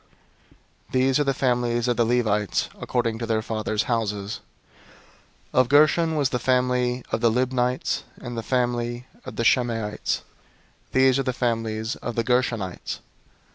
These are the families of the Levites according to their fathers' houses. 003:021 Of Gershon was the family of the Libnites, and the family of the Shimeites: these are the families of the Gershonites.